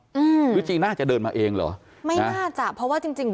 อืมหรือจริงน่าจะเดินมาเองเหรอไม่น่าจะเพราะว่าจริงจริง